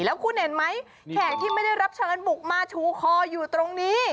แล้วคุณเห็นไหมแขกที่ไม่ได้รับเชิญบุกมาชูคออยู่ตรงนี้